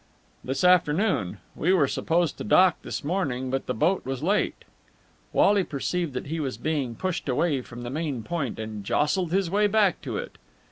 "This afternoon. We were supposed to dock this morning, but the boat was late." Wally perceived that he was being pushed away from the main point, and jostled his way back to it.